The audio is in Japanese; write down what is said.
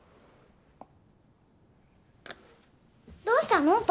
どうしたの？